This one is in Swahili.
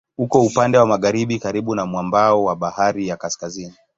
Uko upande wa magharibi karibu na mwambao wa Bahari ya Kaskazini.